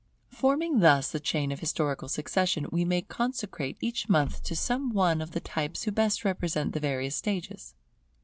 Forming thus the chain of historical succession, we may consecrate each month to some one of the types who best represent the various stages.